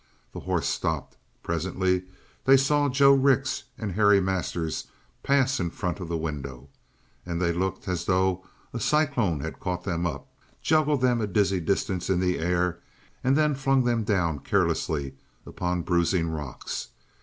The horse stopped. Presently they saw Joe Rix and Harry Masters pass in front of the window. And they looked as though a cyclone had caught them up, juggled them a dizzy distance in the air, and then flung them down carelessly upon bruising rocks.